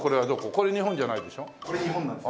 これ日本なんですよ。